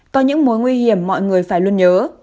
có những mối nguy hiểm mọi người phải luôn nhớ